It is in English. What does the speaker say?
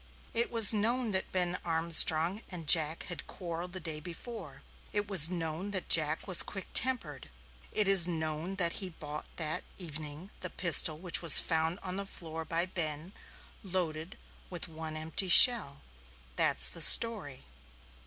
It was known that Ben Armstrong and Jack had quarrelled the day before; it was known that Jack was quick tempered; it is known that he bought that evening the pistol which was found on the floor by Ben, loaded, with one empty shell. That's the story."